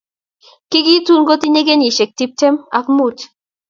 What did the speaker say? Kigitun kotinye kenyishiek tuptem ak muut